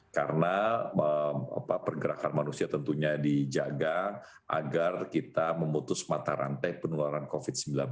karena pergerakan manusia tentunya dijaga agar kita memutus mata rantai penularan covid sembilan belas